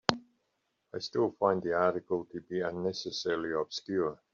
I still find the article to be unnecessarily obscure.